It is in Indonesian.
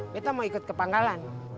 kita mau ikut ke pangkalan